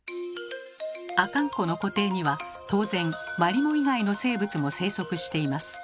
阿寒湖の湖底には当然マリモ以外の生物も生息しています。